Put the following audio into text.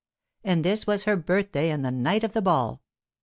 And this was her birthday and the night of the ball.